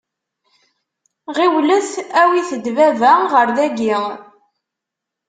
Ɣiwlet, awit-d baba ɣer dagi.